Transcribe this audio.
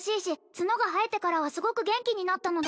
角が生えてからはすごく元気になったので